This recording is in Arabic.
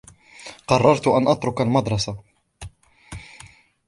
قررت أن أترك المدرسة.